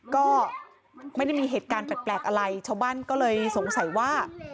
ก็ไม่ได้มีเหตุการณ์แปลกอะไรชาวบ้านก็เลยสงสัยว่า